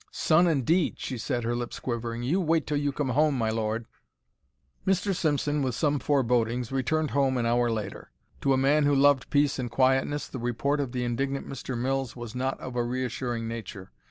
"Son, indeed!" she said, her lips quivering. "You wait till you come home, my lord!" Mr. Simpson, with some forebodings, returned home an hour later. To a man who loved peace and quietness the report of the indignant Mr. Mills was not of a reassuring nature.